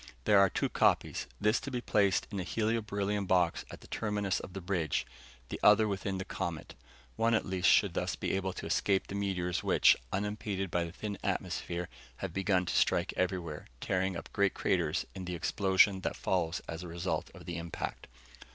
There are two copies, this to be placed in a helio beryllium box at the terminus of the bridge, the other within the comet[TN 3]. One at least should thus be able to escape the meteors which, unimpeded by the thin atmosphere, have begun to strike everywhere, tearing up great craters in the explosion that follows as a result of the impact.